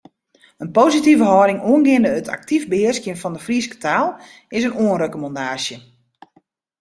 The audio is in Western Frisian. In positive hâlding oangeande it aktyf behearskjen fan de Fryske taal is in oanrekommandaasje.